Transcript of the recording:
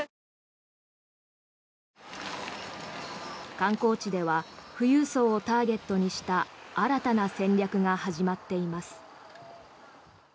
観光地では富裕層をターゲットにした新たな戦略が始まっています。